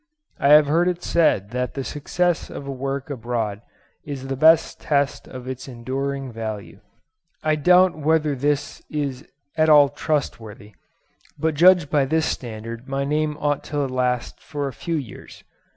I have heard it said that the success of a work abroad is the best test of its enduring value. I doubt whether this is at all trustworthy; but judged by this standard my name ought to last for a few years.